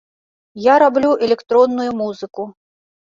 Я раблю электронную музыку.